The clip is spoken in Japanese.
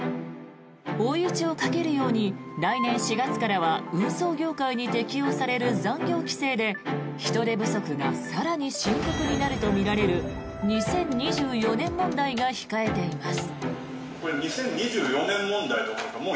追い打ちをかけるように来年４月からは運送業界に適用される残業規制で人手不足が更に深刻になるとみられる２０２４年問題が控えています。